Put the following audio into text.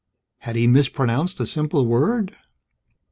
Had he mispronounced a simple word?